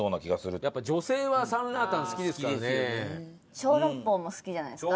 小籠包も好きじゃないですか？